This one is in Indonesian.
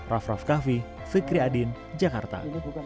rafraf kahvi fikri adin jakarta